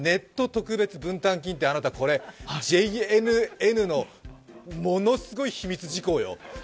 特別分担金って、あなた、これＪＮＮのものすごい秘密事項よ！